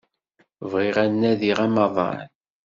Bɣiɣ ad nadiɣ amaḍal.